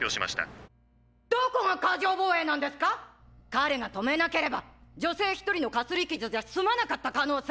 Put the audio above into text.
⁉彼が止めなければ女性一人のかすり傷じゃ済まなかった可能性も！